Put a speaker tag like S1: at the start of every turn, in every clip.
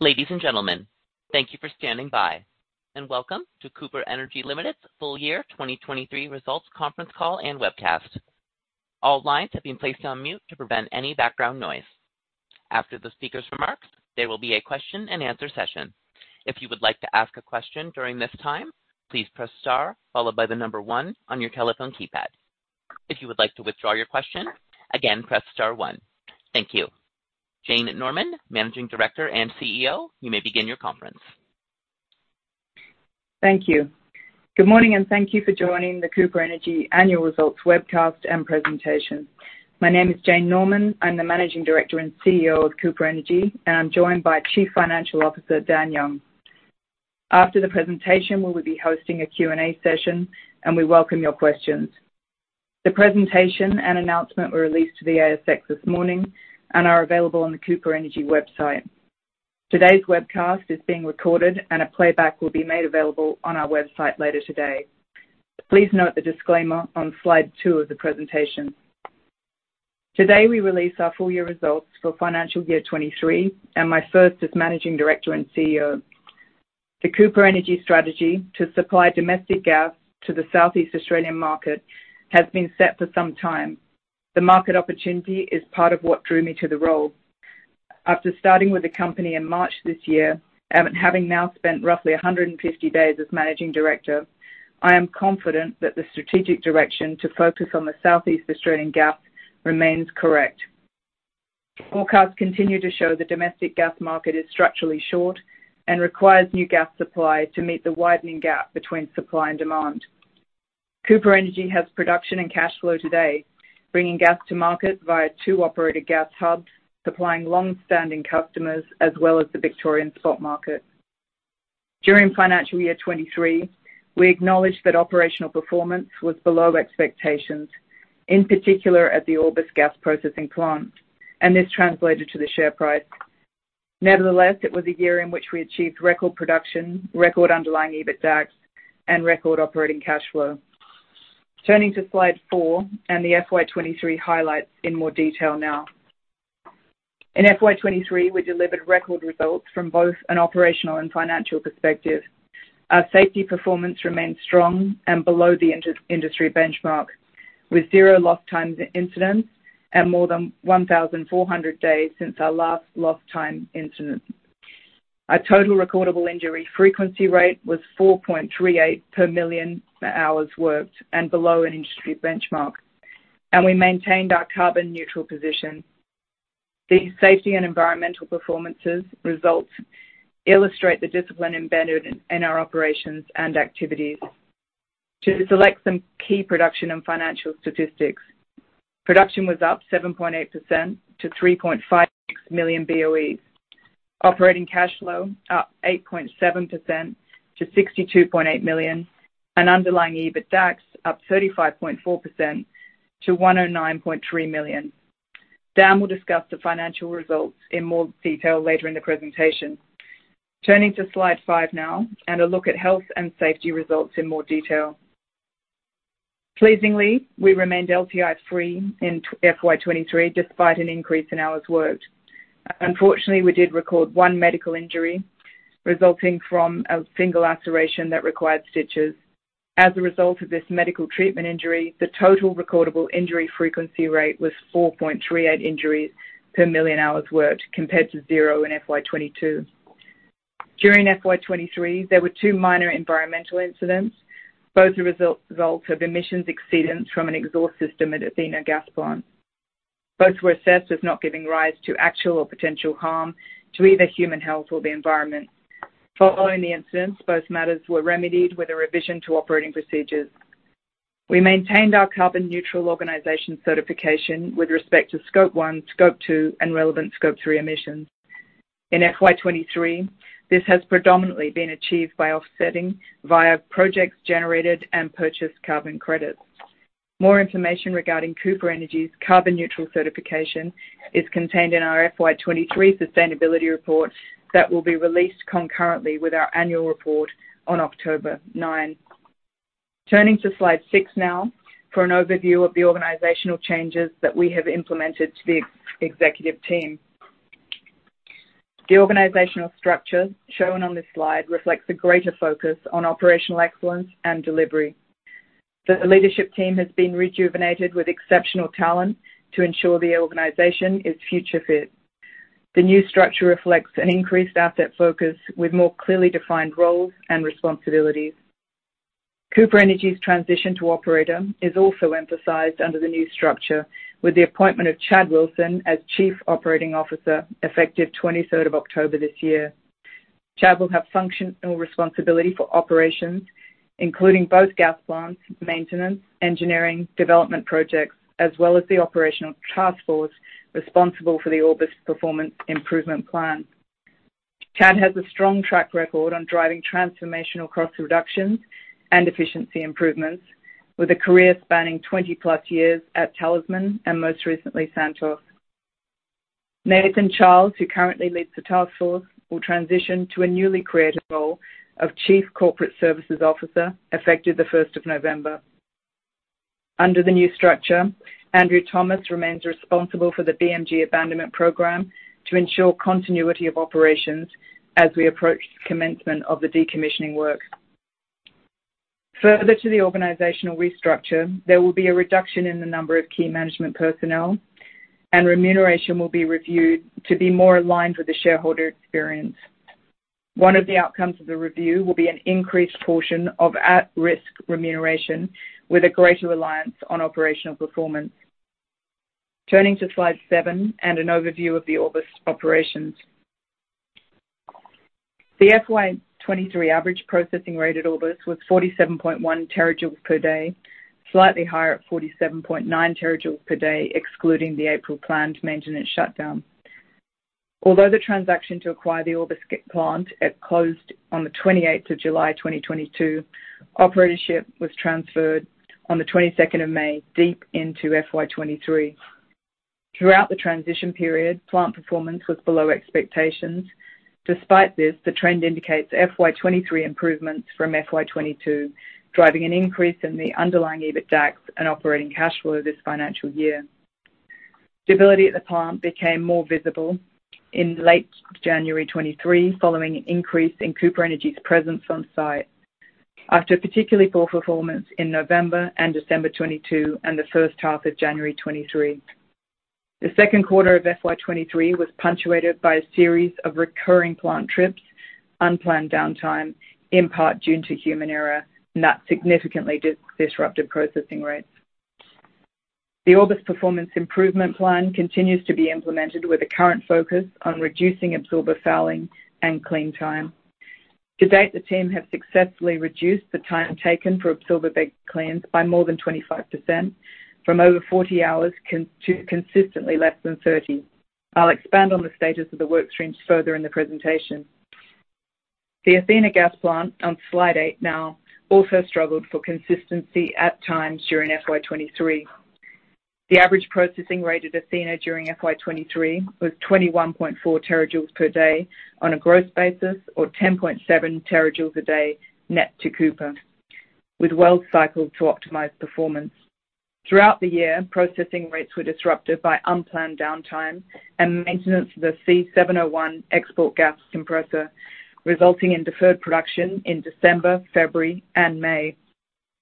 S1: Ladies and gentlemen, thank you for standing by, and welcome to Cooper Energy Limited's full year 2023 results conference call and webcast. All lines have been placed on mute to prevent any background noise. After the speaker's remarks, there will be a question and answer session. If you would like to ask a question during this time, please press star followed by the number one on your telephone keypad. If you would like to withdraw your question, again, press star one. Thank you. Jane Norman, Managing Director and CEO, you may begin your conference.
S2: Thank you. Good morning, and thank you for joining the Cooper Energy annual results webcast and presentation. My name is Jane Norman. I'm the Managing Director and CEO of Cooper Energy, and I'm joined by Chief Financial Officer, Dan Young. After the presentation, we will be hosting a Q&A session, and we welcome your questions. The presentation and announcement were released to the ASX this morning and are available on the Cooper Energy website. Today's webcast is being recorded, and a playback will be made available on our website later today. Please note the disclaimer on slide 2 of the presentation. Today, we release our full year results for financial year 2023, and my first as Managing Director and CEO. The Cooper Energy strategy to supply domestic gas to the Southeast Australian market has been set for some time. The market opportunity is part of what drew me to the role. After starting with the company in March this year, and having now spent roughly 150 days as managing director, I am confident that the strategic direction to focus on the Southeast Australian gap remains correct. Forecasts continue to show the domestic gas market is structurally short and requires new gas supply to meet the widening gap between supply and demand. Cooper Energy has production and cash flow today, bringing gas to market via two operator gas hubs, supplying long-standing customers as well as the Victorian spot market. During financial year 2023, we acknowledged that operational performance was below expectations, in particular at the Orbost gas processing plant gas processing plant, and this translated to the share price. Nevertheless, it was a year in which we achieved record production, record underlying EBITDAX, and record operating cash flow. Turning to slide 4 and the FY 2023 highlights in more detail now. In FY 2023, we delivered record results from both an operational and financial perspective. Our safety performance remained strong and below the industry benchmark, with zero lost time incidents and more than 1,400 days since our last lost time incident. Our total recordable injury frequency rate was 4.38 per million hours worked and below an industry benchmark, and we maintained our carbon-neutral position. These safety and environmental performance results illustrate the discipline embedded in our operations and activities. To select some key production and financial statistics, production was up 7.8% to 3.56 million BOEs, operating cash flow up 8.7% to $62.8 million, and underlying EBITDAX up 35.4% to $109.3 million. Dan will discuss the financial results in more detail later in the presentation. Turning to slide 5 now, and a look at health and safety results in more detail. Pleasingly, we remained LTI-free in FY 2023, despite an increase in hours worked. Unfortunately, we did record one medical injury resulting from a single laceration that required stitches. As a result of this medical treatment injury, the total recordable injury frequency rate was 4.38 injuries per million hours worked, compared to 0 in FY 2022. During FY 2023, there were 2 minor environmental incidents, both the results of emissions exceedance from an exhaust system at Athena Gas Plant. Both were assessed as not giving rise to actual or potential harm to either human health or the environment. Following the incidents, both matters were remedied with a revision to operating procedures. We maintained our carbon-neutral organization certification with respect to Scope 1, Scope 2, and relevant Scope 3 emissions. In FY 2023, this has predominantly been achieved by offsetting via projects generated and purchased carbon credits. More information regarding Cooper Energy's carbon-neutral certification is contained in our FY 2023 sustainability report that will be released concurrently with our annual report on October 9. Turning to slide 6 now for an overview of the organizational changes that we have implemented to the executive team. The organizational structure shown on this slide reflects a greater focus on operational excellence and delivery. The leadership team has been rejuvenated with exceptional talent to ensure the organization is future fit. The new structure reflects an increased asset focus with more clearly defined roles and responsibilities. Cooper Energy's transition to operator is also emphasized under the new structure, with the appointment of Chad Wilson as Chief Operating Officer, effective 23rd of October this year. Chad will have functional responsibility for operations, including both gas plants, maintenance, engineering, development projects, as well as the operational task force responsible for the Orbost Performance Improvement Plan. Chad has a strong track record on driving transformational cost reductions and efficiency improvements, with a career spanning 20+ years at Talisman and most recently, Santos. Nathan Charles, who currently leads the task force, will transition to a newly created role of Chief Corporate Services Officer, effective the 1st of November. Under the new structure, Andrew Thomas remains responsible for the BMG abandonment program to ensure continuity of operations as we approach the commencement of the decommissioning work. Further to the organizational restructure, there will be a reduction in the number of key management personnel, and remuneration will be reviewed to be more aligned with the shareholder experience. One of the outcomes of the review will be an increased portion of at-risk remuneration, with a greater reliance on operational performance. Turning to Slide 7 and an overview of the Orbost operations. The FY 2023 average processing rate at Orbost was 47.1 TJ per day, slightly higher at 47.9 TJ per day, excluding the April planned maintenance shutdown. Although the transaction to acquire the Orbost plant, it closed on the 28th of July 2022, operatorship was transferred on the 22nd of May, deep into FY 2023. Throughout the transition period, plant performance was below expectations. Despite this, the trend indicates FY 2023 improvements from FY 2022, driving an increase in the underlying EBITDAX and operating cash flow this financial year. Stability at the plant became more visible in late January 2023, following an increase in Cooper Energy's presence on site, after a particularly poor performance in November and December 2022 and the first half of January 2023. The second quarter of FY 2023 was punctuated by a series of recurring plant trips, unplanned downtime, in part due to human error, and that significantly disrupted processing rates. The Orbost Performance Improvement Plan continues to be implemented, with a current focus on reducing absorber fouling and clean time. To date, the team have successfully reduced the time taken for absorber bed cleans by more than 25%, from over 40 hours to consistently less than 30. I'll expand on the status of the work streams further in the presentation. The Athena Gas Plant on Slide 8 now also struggled for consistency at times during FY 2023. The average processing rate at Athena during FY 2023 was 21.4 TJ per day on a gross basis, or 10.7 TJ a day net to Cooper, with wells cycled to optimize performance. Throughout the year, processing rates were disrupted by unplanned downtime and maintenance of the C701 Export Gas Compressor, resulting in deferred production in December, February, and May.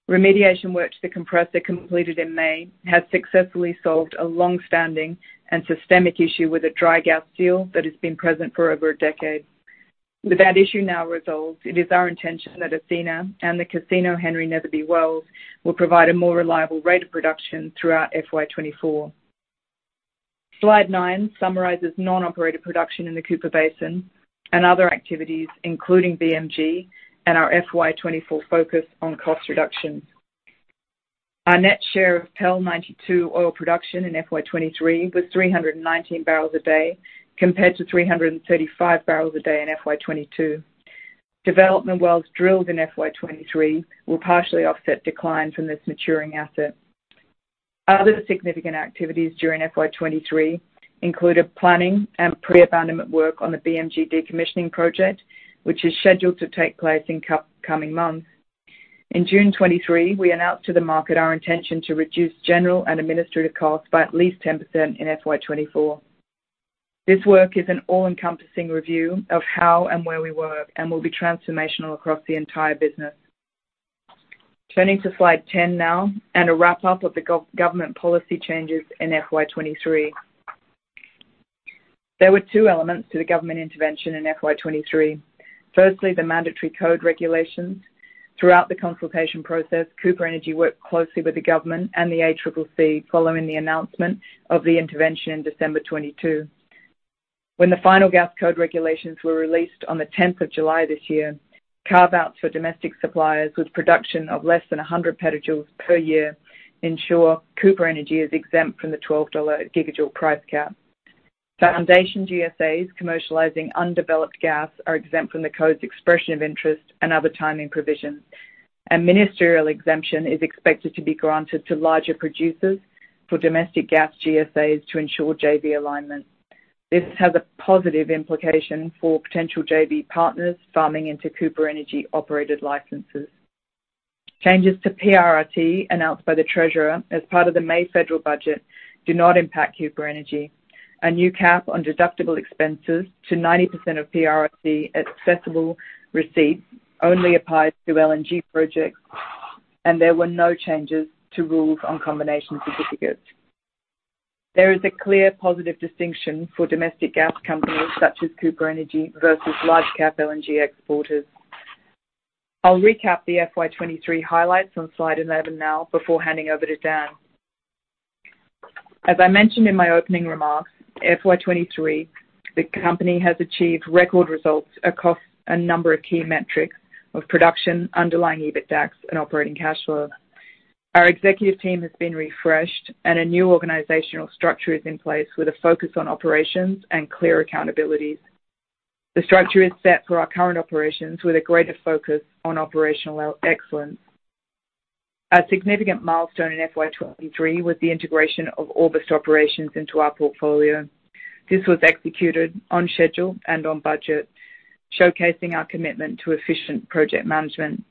S2: Remediation work to the compressor, completed in May, has successfully solved a long-standing and systemic issue with a dry gas seal that has been present for over a decade. With that issue now resolved, it is our intention that Athena and the Casino Henry Netherby wells will provide a more reliable rate of production throughout FY 2024. Slide 9 summarizes non-operated production in the Cooper Basin and other activities, including BMG and our FY 2024 focus on cost reduction. Our net share of PEL 92 oil production in FY 2023 was 319 barrels a day, compared to 335 barrels a day in FY 2022. Development wells drilled in FY 2023 will partially offset decline from this maturing asset. Other significant activities during FY 2023 included planning and pre-abandonment work on the BMG decommissioning project, which is scheduled to take place in upcoming months. In June 2023, we announced to the market our intention to reduce general and administrative costs by at least 10% in FY 2024. This work is an all-encompassing review of how and where we work and will be transformational across the entire business. Turning to Slide 10 now, and a wrap-up of the government policy changes in FY 2023. There were two elements to the government intervention in FY 2023. Firstly, the mandatory code regulations. Throughout the consultation process, Cooper Energy worked closely with the government and the ACCC following the announcement of the intervention in December 2022. When the final gas code regulations were released on the 10th of July this year, carve-outs for domestic suppliers with production of less than 100 petajoules per year ensure Cooper Energy is exempt from the 12 dollar gigajoule price cap. Foundation GSAs commercializing undeveloped gas are exempt from the code's expression of interest and other timing provisions. A ministerial exemption is expected to be granted to larger producers for domestic gas GSAs to ensure JV alignment. This has a positive implication for potential JV partners farming into Cooper Energy-operated licenses. Changes to PRRT, announced by the Treasurer as part of the May federal budget, do not impact Cooper Energy. A new cap on deductible expenses to 90% of PRRT accessible receipts only applies to LNG projects, and there were no changes to rules on combination certificates. There is a clear positive distinction for domestic gas companies such as Cooper Energy versus large cap LNG exporters. I'll recap the FY 2023 highlights on Slide 11 now before handing over to Dan. As I mentioned in my opening remarks, FY 2023, the company has achieved record results across a number of key metrics of production, underlying EBITDAX, and operating cash flow. Our executive team has been refreshed, and a new organizational structure is in place with a focus on operations and clear accountabilities. The structure is set for our current operations with a greater focus on operational excellence. A significant milestone in FY 2023 was the integration of Orbost operations into our portfolio. This was executed on schedule and on budget, showcasing our commitment to efficient project management.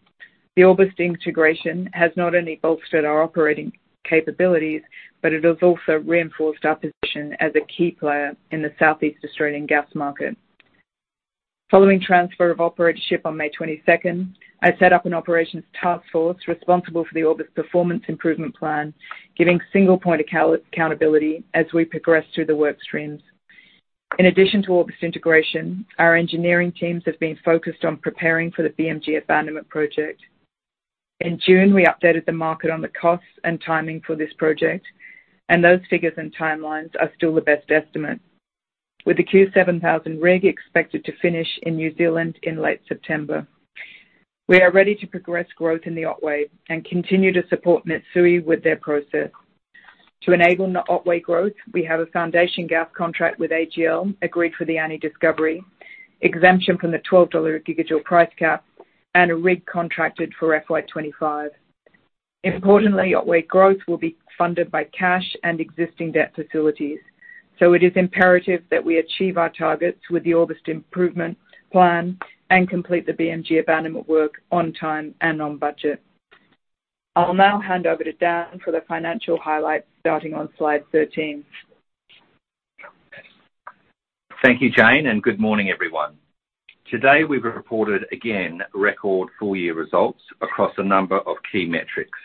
S2: The Orbost integration has not only bolstered our operating capabilities, but it has also reinforced our position as a key player in the Southeast Australian gas market. Following transfer of operatorship on May 22, I set up an operations task force responsible for the Orbost Performance Improvement Plan, giving single point accountability as we progress through the work streams. In addition to Orbost integration, our engineering teams have been focused on preparing for the BMG abandonment project. In June, we updated the market on the costs and timing for this project, and those figures and timelines are still the best estimate. With the Q7000 rig expected to finish in New Zealand in late September. We are ready to progress growth in the Otway and continue to support Mitsui with their process. To enable the Otway growth, we have a foundation gas contract with AGL, agreed for the Annie discovery, exemption from the 12 dollar/gigajoule price cap, and a rig contracted for FY 2025. Importantly, Otway growth will be funded by cash and existing debt facilities, so it is imperative that we achieve our targets with the Orbost Improvement Plan and complete the BMG abandonment work on time and on budget. I'll now hand over to Dan for the financial highlights, starting on slide 13.
S3: Thank you, Jane, and good morning, everyone. Today, we've reported again, record full-year results across a number of key metrics.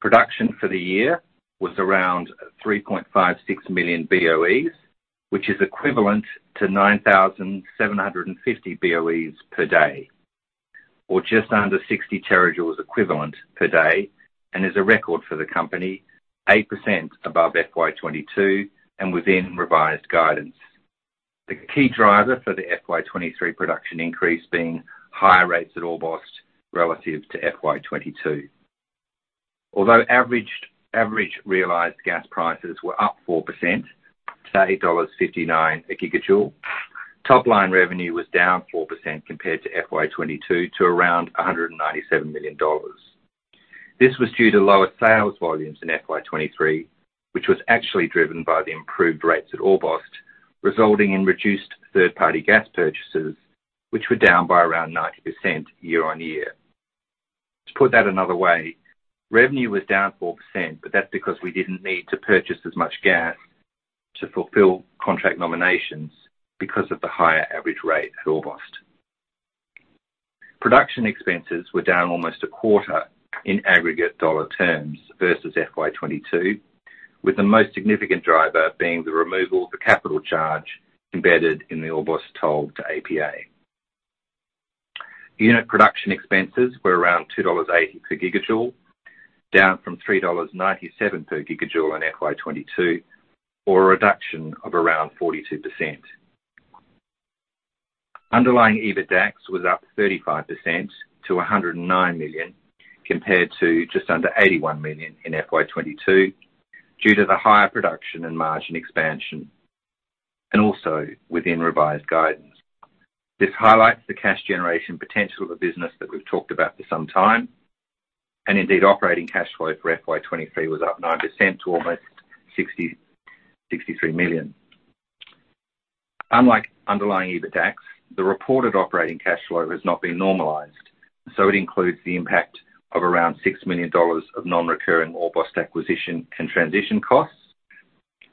S3: Production for the year was around 3.56 million BOEs, which is equivalent to 9,750 BOEs per day, or just under 60 TJ equivalent per day, and is a record for the company, 8% above FY 2022 and within revised guidance. The key driver for the FY 2023 production increase being higher rates at Orbo relative to FY 2022. Although average realized gas prices were up 4% to dollars 8.59 a gigajoule, top-line revenue was down 4% compared to FY 2022, to around 197 million dollars. This was due to lower sales volumes in FY 2023, which was actually driven by the improved rates at Orbost resulting in reduced third-party gas purchases, which were down by around 90% year-on-year. To put that another way, revenue was down 4%, but that's because we didn't need to purchase as much gas to fulfill contract nominations because of the higher average rate at Orbost. Production expenses were down almost a quarter in aggregate dollar terms versus FY 2022, with the most significant driver being the removal of the capital charge embedded in the Orbost toll to APA. Unit production expenses were around 2.80 dollars per gigajoule, down from 3.97 dollars per gigajoule in FY 2022, or a reduction of around 42%. Underlying EBITDAX was up 35% to 109 million, compared to just under 81 million in FY 2022, due to the higher production and margin expansion, and also within revised guidance. This highlights the cash generation potential of the business that we've talked about for some time, and indeed, operating cash flow for FY 2023 was up 9% to almost 63 million. Unlike underlying EBITDAX, the reported operating cash flow has not been normalized, so it includes the impact of around 6 million dollars of non-recurring Orbost acquisition and transition costs,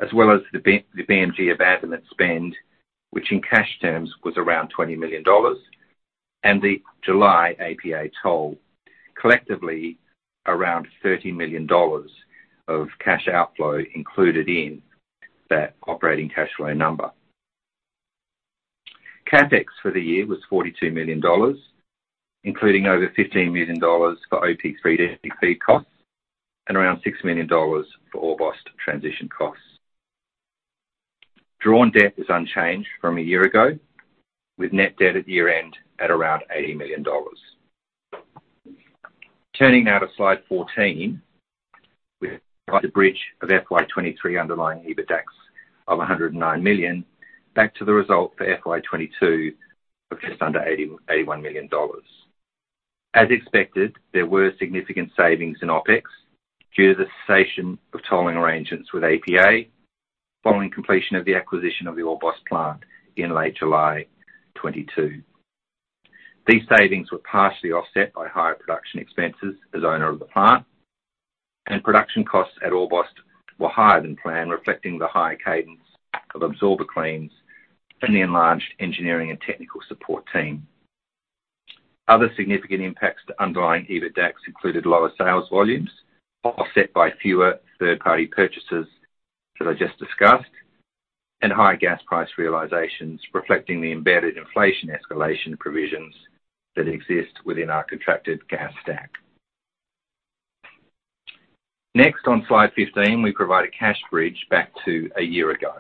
S3: as well as the BMG abandonment spend, which in cash terms was around 20 million dollars, and the July APA toll, collectively around 30 million dollars of cash outflow included in that operating cash flow number. CapEx for the year was 42 million dollars, including over 15 million dollars for OP3D costs and around 6 million dollars for Orbost transition costs. Drawn debt was unchanged from a year ago, with net debt at year-end at around AUD 80 million. Turning now to slide 14, with the bridge of FY 2023 underlying EBITDAX of 109 million, back to the result for FY 2022 of just under 81 million dollars. As expected, there were significant savings in OpEx due to the cessation of tolling arrangements with APA following completion of the acquisition of the Orbost plant in late July 2022. These savings were partially offset by higher production expenses as owner of the plant, and production costs at Orbost were higher than planned, reflecting the higher cadence of absorber cleans and the enlarged engineering and technical support team. Other significant impacts to underlying EBITDAX included lower sales volumes, offset by fewer third-party purchases that I just discussed, and higher gas price realizations, reflecting the embedded inflation escalation provisions that exist within our contracted gas stack. Next, on slide 15, we provide a cash bridge back to a year ago.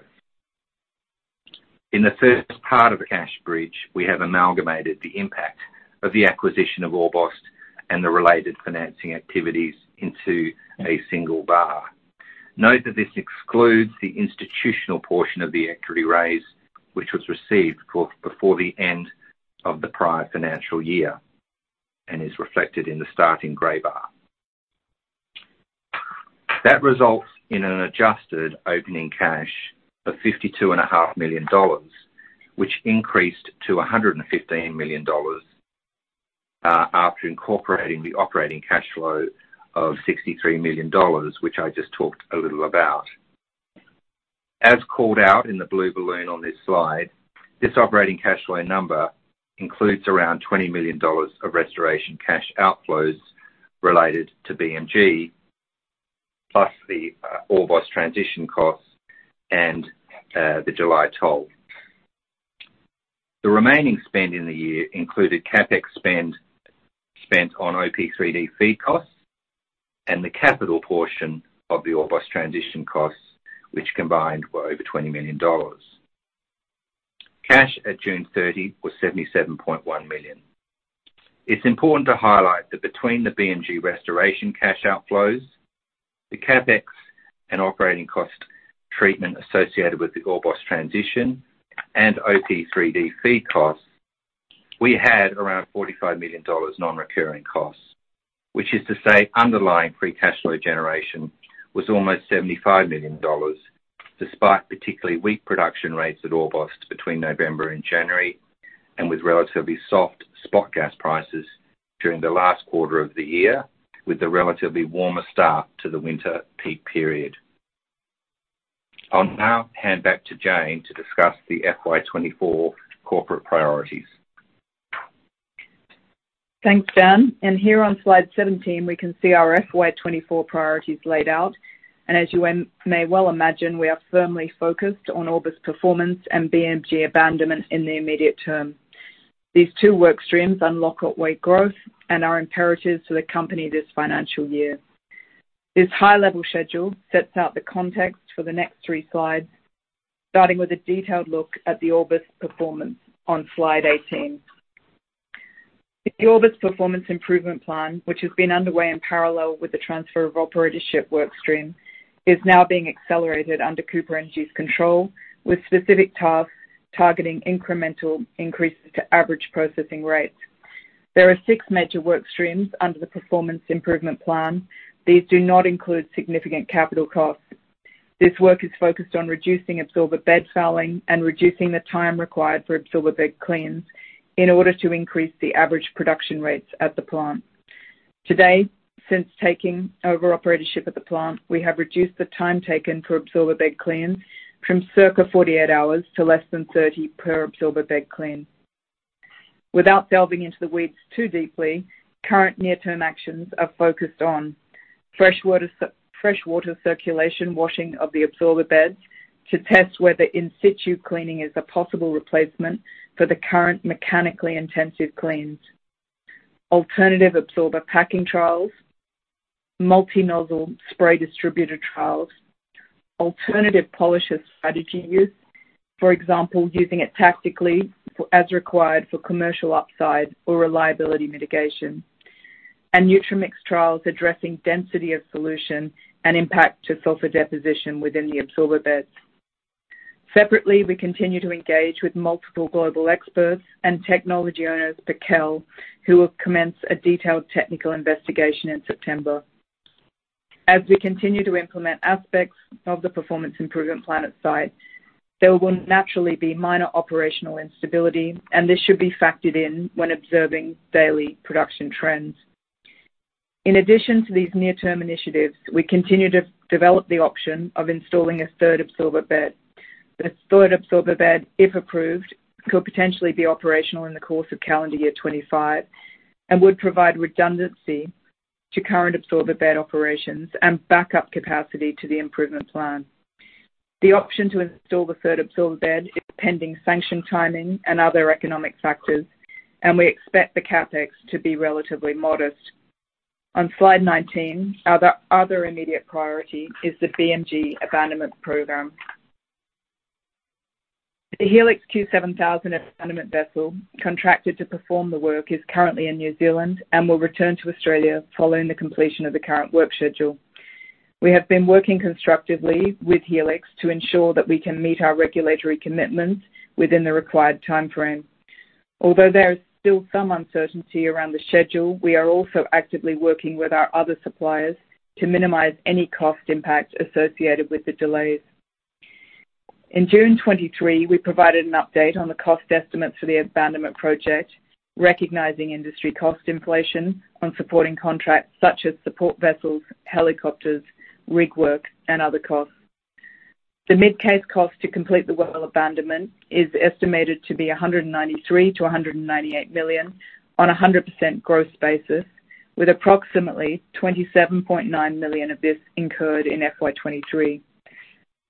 S3: In the first part of the cash bridge, we have amalgamated the impact of the acquisition of Orbost and the related financing activities into a single bar. Note that this excludes the institutional portion of the equity raise, which was received before the end of the prior financial year and is reflected in the starting gray bar. That results in an adjusted opening cash of 52.5 million dollars, which increased to 115 million dollars, after incorporating the operating cash flow of 63 million dollars, which I just talked a little about. As called out in the blue balloon on this slide, this operating cash flow number includes around $20 million of restoration cash outflows related to BMG, plus the, Orbost transition costs and, the July toll. The remaining spend in the year included CapEx spend, spent on OP3D fee costs and the capital portion of the Orbost transition costs, which combined were over $20 million. Cash at June 30 was $77.1 million. It's important to highlight that between the BMG restoration cash outflows, the CapEx and operating cost treatment associated with the Orbost transition and OP3D FEED costs, we had around $45 million non-recurring costs. Which is to say, underlying free cash flow generation was almost $75 million, despite particularly weak production rates at Orbost between November and January, and with relatively soft spot gas prices during the last quarter of the year, with a relatively warmer start to the winter peak period. I'll now hand back to Jane to discuss the FY 2024 corporate priorities.
S2: Thanks, Dan. Here on slide 17, we can see our FY 2024 priorities laid out, and as you may well imagine, we are firmly focused on Orbost performance and BMG abandonment in the immediate term. These two work streams unlock our growth and are imperatives to the company this financial year. This high-level schedule sets out the context for the next three slides, starting with a detailed look at the Orbost performance on slide 18. The Orbost performance improvement plan, which has been underway in parallel with the transfer of operatorship work stream, is now being accelerated under Cooper Energy's control, with specific tasks targeting incremental increases to average processing rates. There are six major work streams under the performance improvement plan. These do not include significant capital costs. This work is focused on reducing absorber bed fouling and reducing the time required for absorber bed cleans in order to increase the average production rates at the plant. Today, since taking over operatorship of the plant, we have reduced the time taken for absorber bed cleans from circa 48 hours to less than 30 per absorber bed clean. Without delving into the weeds too deeply, current near-term actions are focused on fresh water circulation, washing of the absorber beds to test whether in-situ cleaning is a possible replacement for the current mechanically intensive cleans. Alternative absorber packing trials, multi-nozzle spray distributor trials, alternative polisher strategy use, for example, using it tactically for as required for commercial upside or reliability mitigation, and Nutrimix trials addressing density of solution and impact to sulfur deposition within the absorber beds. Separately, we continue to engage with multiple global experts and technology owners, Paqell who will commence a detailed technical investigation in September. As we continue to implement aspects of the performance improvement plan at site, there will naturally be minor operational instability, and this should be factored in when observing daily production trends. In addition to these near-term initiatives, we continue to develop the option of installing a third absorber bed. The third absorber bed, if approved, could potentially be operational in the course of calendar year 2025 and would provide redundancy to current absorber bed operations and backup capacity to the improvement plan. The option to install the third absorber bed is pending sanction timing and other economic factors, and we expect the CapEx to be relatively modest. On slide 19, other immediate priority is the BMG abandonment program. The Helix Q7000 abandonment vessel contracted to perform the work is currently in New Zealand and will return to Australia following the completion of the current work schedule. We have been working constructively with Helix to ensure that we can meet our regulatory commitments within the required timeframe. Although there is still some uncertainty around the schedule, we are also actively working with our other suppliers to minimize any cost impact associated with the delays. In June 2023, we provided an update on the cost estimate for the abandonment project, recognizing industry cost inflation on supporting contracts such as support vessels, helicopters, rig work, and other costs. The mid-case cost to complete the well abandonment is estimated to be 193-198 million on a 100% gross basis, with approximately 27.9 million of this incurred in FY 2023.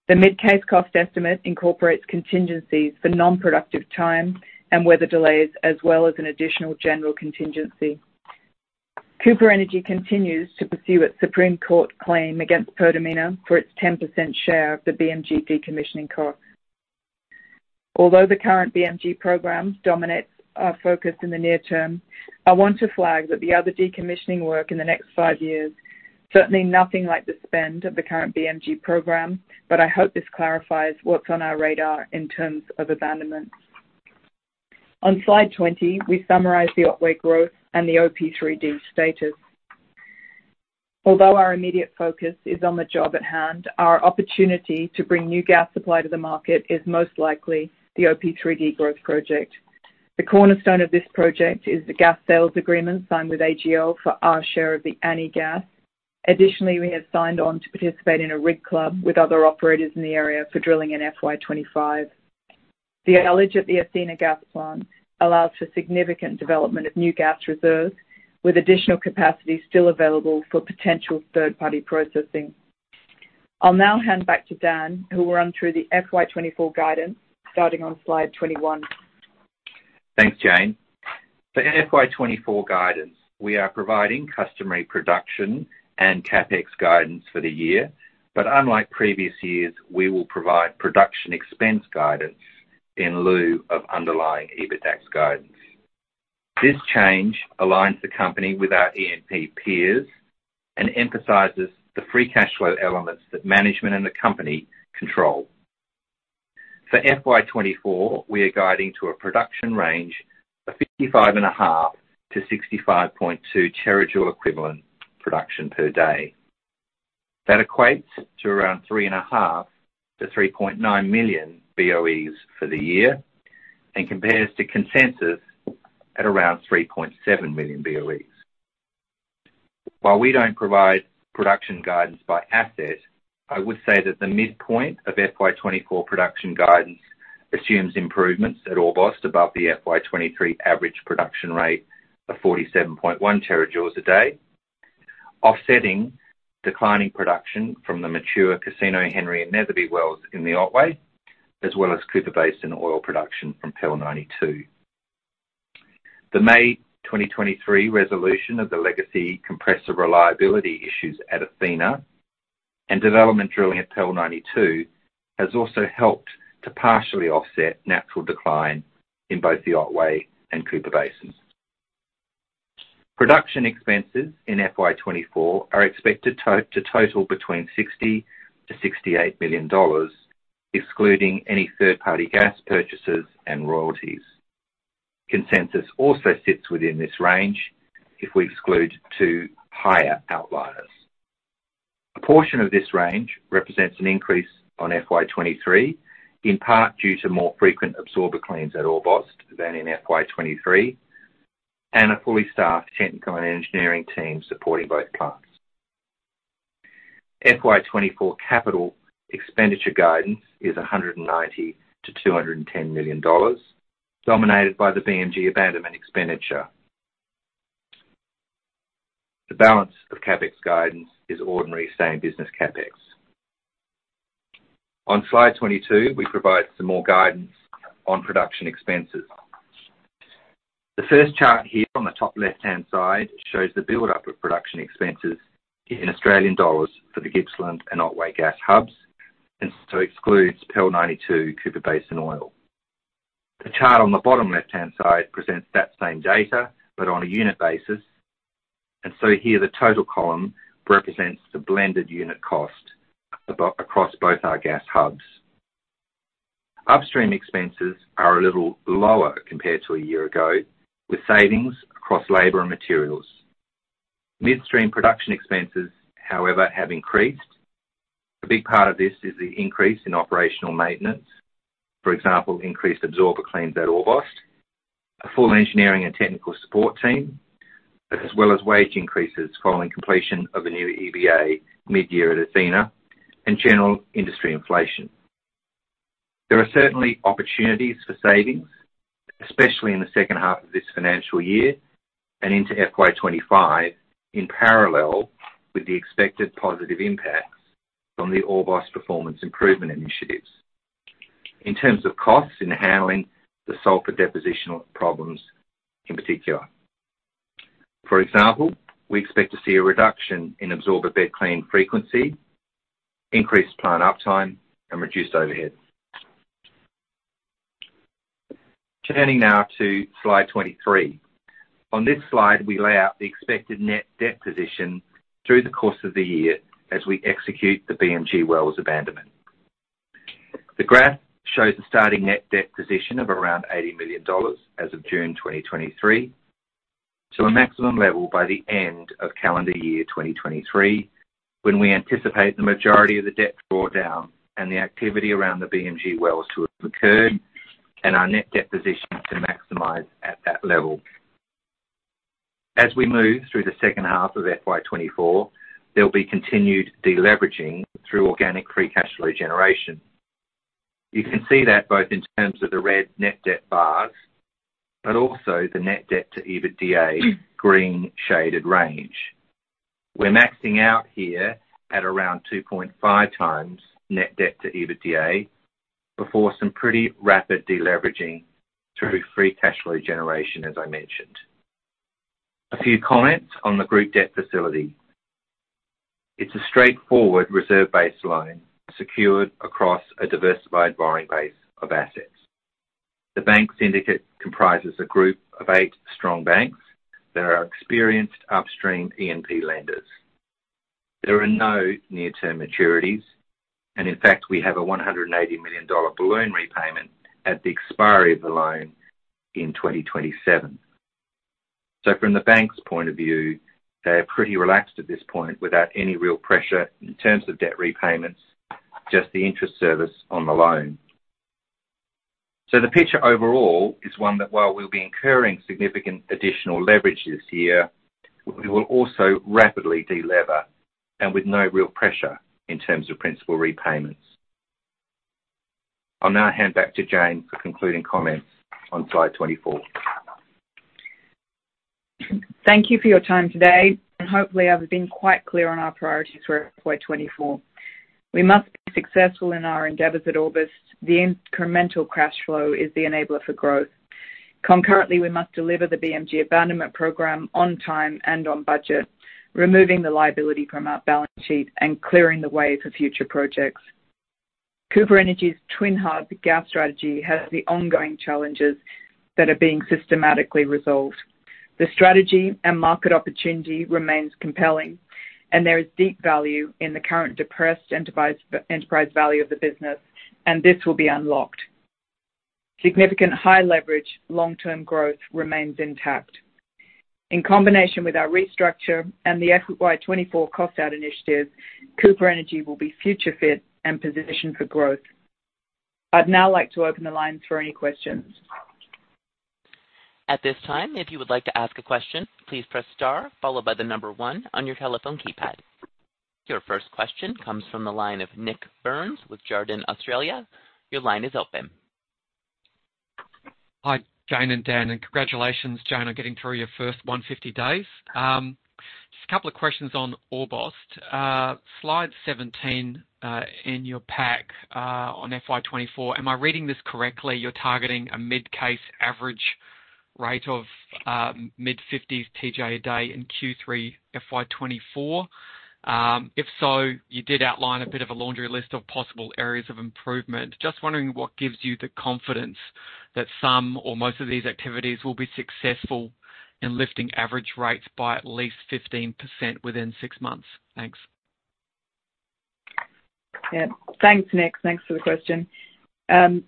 S2: The mid-case cost estimate incorporates contingencies for non-productive time and weather delays, as well as an additional general contingency. Cooper Energy continues to pursue its Supreme Court claim against Pertamina for its 10% share of the BMG decommissioning cost. Although the current BMG programs dominate our focus in the near term, I want to flag that the other decommissioning work in the next five years, certainly nothing like the spend of the current BMG program, but I hope this clarifies what's on our radar in terms of abandonment. On Slide 20, we summarize the Otway growth and the OP3D status. Although our immediate focus is on the job at hand, our opportunity to bring new gas supply to the market is most likely the OP3D growth project. The cornerstone of this project is the gas sales agreement signed with AGL for our share of the Annie gas. Additionally, we have signed on to participate in a rig club with other operators in the area for drilling in FY 2025. The legacy at the Athena Gas Plant allows for significant development of new gas reserves, with additional capacity still available for potential third-party processing. I'll now hand back to Dan, who will run through the FY 2024 guidance, starting on slide 21.
S3: Thanks, Jane. For FY 2024 guidance, we are providing customary production and CapEx guidance for the year, but unlike previous years, we will provide production expense guidance in lieu of underlying EBITDAX guidance. This change aligns the company with our E&P peers and emphasizes the free cash flow elements that management and the company control. For FY 2024, we are guiding to a production range of 55.5-65.2 TJ equivalent production per day. That equates to around 3.5-3.9 million BOEs for the year, and compares to consensus at around 3.7 million BOEs. While we don't provide production guidance by asset, I would say that the midpoint of FY 2024 production guidance assumes improvements at Orbost above the FY 2023 average production rate of 47.1 TJ/day, offsetting declining production from the mature Casino Henry and Netherby wells in the Otway, as well as Cooper Basin oil production from PEL 92. The May 2023 resolution of the legacy compressor reliability issues at Athena and development drilling at PEL 92 has also helped to partially offset natural decline in both the Otway and Cooper Basins. Production expenses in FY 2024 are expected to total between 60 million-68 million dollars, excluding any third-party gas purchases and royalties. Consensus also sits within this range if we exclude two higher outliers. A portion of this range represents an increase on FY 2023, in part due to more frequent absorber cleans at Orbost than in FY 2023, and a fully staffed technical and engineering team supporting both plants. FY 2024 capital expenditure guidance is 190 million-210 million dollars, dominated by the BMG abandonment expenditure. The balance of CapEx guidance is ordinary same business CapEx. On Slide 22, we provide some more guidance on production expenses. The first chart here on the top left-hand side, shows the buildup of production expenses in Australian dollars for the Gippsland and Otway gas hubs, and so excludes PEL 92 Cooper Basin Oil. The chart on the bottom left-hand side presents that same data, but on a unit basis, and so here the total column represents the blended unit cost above, across both our gas hubs. Upstream expenses are a little lower compared to a year ago, with savings across labor and materials. Midstream production expenses, however, have increased. A big part of this is the increase in operational maintenance. For example, increased absorber cleans at Orbost, a full engineering and technical support team, as well as wage increases following completion of the new EBA mid-year at Athena, and general industry inflation. There are certainly opportunities for savings, especially in the second half of this financial year and into FY 25, in parallel with the expected positive impacts from the Orbost performance improvement initiatives. In terms of costs in handling the sulfur depositional problems, in particular. For example, we expect to see a reduction in absorber bed clean frequency, increased plant uptime, and reduced overheads. Turning now to Slide 23. On this slide, we lay out the expected net debt position through the course of the year as we execute the BMG wells abandonment. The graph shows a starting net debt position of around 80 million dollars as of June 2023, to a maximum level by the end of calendar year 2023, when we anticipate the majority of the debt draw down and the activity around the BMG wells to have occurred, and our net debt position to maximize at that level. As we move through the second half of FY 2024, there will be continued deleveraging through organic free cash flow generation. You can see that both in terms of the red net debt bars, but also the net debt to EBITDA green shaded range. We're maxing out here at around 2.5x net debt to EBITDA, before some pretty rapid deleveraging through free cash flow generation, as I mentioned. A few comments on the group debt facility. It's a straightforward reserved base loan, secured across a diversified borrowing base of assets. The bank syndicate comprises a group of eight strong banks that are experienced upstream E&P lenders... There are no near-term maturities, and in fact, we have a $180 million balloon repayment at the expiry of the loan in 2027. So from the bank's point of view, they are pretty relaxed at this point without any real pressure in terms of debt repayments, just the interest service on the loan. So the picture overall is one that while we'll be incurring significant additional leverage this year, we will also rapidly delever and with no real pressure in terms of principal repayments. I'll now hand back to Jane for concluding comments on slide 24.
S2: Thank you for your time today, and hopefully, I've been quite clear on our priorities for FY 2024. We must be successful in our endeavors at Orbost. The incremental cash flow is the enabler for growth. Concurrently, we must deliver the BMG abandonment program on time and on budget, removing the liability from our balance sheet and clearing the way for future projects. Cooper Energy's Twin Hub gas strategy has the ongoing challenges that are being systematically resolved. The strategy and market opportunity remains compelling, and there is deep value in the current depressed enterprise, enterprise value of the business, and this will be unlocked. Significant high leverage, long-term growth remains intact. In combination with our restructure and the FY 2024 cost-out initiative, Cooper Energy will be future fit and positioned for growth. I'd now like to open the line for any questions.
S1: At this time, if you would like to ask a question, please press star followed by the number one on your telephone keypad. Your first question comes from the line of Nik Burns with Jarden Australia. Your line is open.
S4: Hi, Jane and Dan, and congratulations, Jane, on getting through your first 150 days. Just a couple of questions on Orbost. Slide 17, in your pack, on FY 2024, am I reading this correctly? You're targeting a mid-case average rate of mid-50s TJ a day in Q3 FY 2024. If so, you did outline a bit of a laundry list of possible areas of improvement. Just wondering what gives you the confidence that some or most of these activities will be successful in lifting average rates by at least 15% within six months? Thanks.
S2: Yeah. Thanks, Nick. Thanks for the question.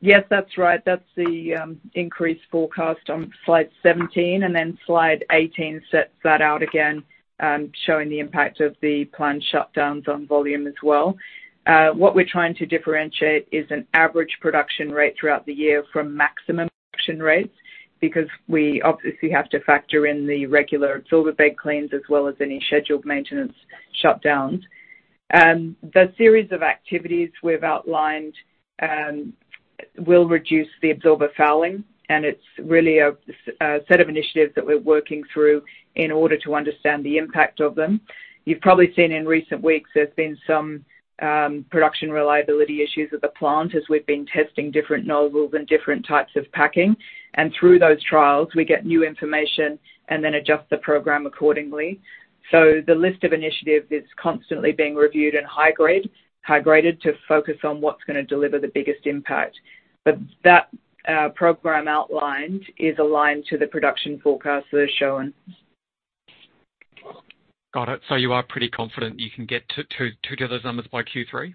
S2: Yes, that's right. That's the increased forecast on slide 17, and then slide 18 sets that out again, showing the impact of the planned shutdowns on volume as well. What we're trying to differentiate is an average production rate throughout the year from maximum production rates, because we obviously have to factor in the regular absorber bed cleans, as well as any scheduled maintenance shutdowns. The series of activities we've outlined will reduce the absorber fouling, and it's really a set of initiatives that we're working through in order to understand the impact of them. You've probably seen in recent weeks, there's been some production reliability issues at the plant as we've been testing different nozzles and different types of packing. And through those trials, we get new information and then adjust the program accordingly. So the list of initiatives is constantly being reviewed and high-grade, high-graded to focus on what's gonna deliver the biggest impact. But that, program outlined is aligned to the production forecast that is shown.
S4: Got it. So you are pretty confident you can get to those numbers by Q3?